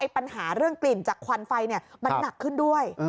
ปัญหาเรื่องกลิ่นจากควันไฟมันหนักขึ้นด้วย